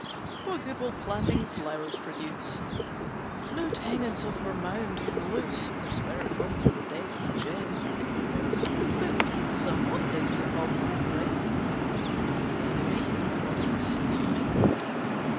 What good will planting flowers produce? No tendance of her mound can loose Her spirit from Death's gin.'" "But someone digs upon my grave? My enemy? prodding sly?"